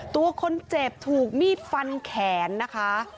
ตัวคนเจ็บถูกมีดฟันแขนนะคะ